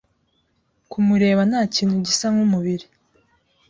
Kumureba ntakintu gisa nkumubiri